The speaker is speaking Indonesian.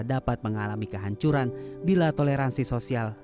dapat mengalami kehancuran bila toleransi sosial